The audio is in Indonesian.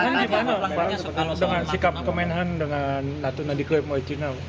dengan sikap kemenangan dengan natuna di krim original